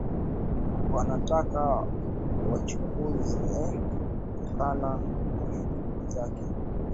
Wanataka wachunguzwe kutokana na shutuma zake